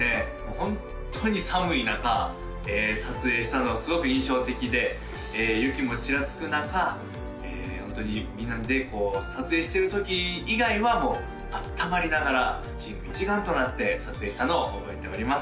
ホントに寒い中撮影したのがすごく印象的で雪もちらつく中ホントにみんなで撮影してるとき以外はあったまりながらチーム一丸となって撮影したのを覚えております